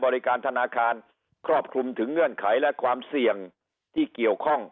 ธนาคารครอบคลุมถึงเงื่อนไขและความเสี่ยงที่เกี่ยวข้อง